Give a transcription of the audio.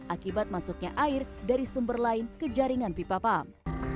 akibat masuknya air dari sumber lain ke jaringan pipa pump